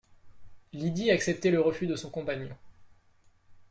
Lydie acceptait le refus de son compagnon.